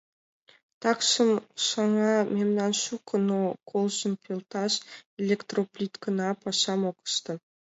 Такшым, шыҥа мемнан шуко, но колжым пелташ электроплиткына пашам ок ыште.